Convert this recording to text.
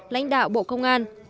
lãnh đạo bộ công an